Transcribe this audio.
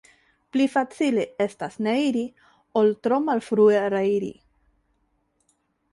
Pli facile estas ne iri, ol tro malfrue reiri.